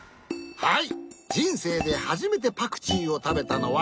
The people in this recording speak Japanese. はい。